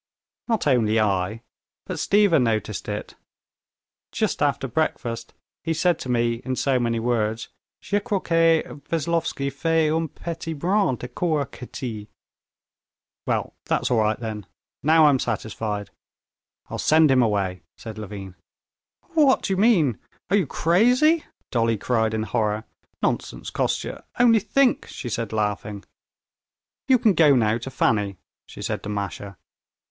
"Not only I, but Stiva noticed it. Just after breakfast he said to me in so many words, Je crois que Veslovsky fait un petit brin de cour à Kitty." "Well, that's all right then; now I'm satisfied. I'll send him away," said Levin. "What do you mean! Are you crazy?" Dolly cried in horror; "nonsense, Kostya, only think!" she said, laughing. "You can go now to Fanny," she said to Masha.